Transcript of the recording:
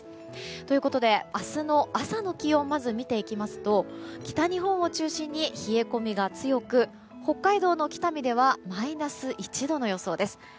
ということで、明日の朝の気温をまず見ていきますと北日本を中心に冷え込みが強く北海道の北見ではマイナス１度の予想です。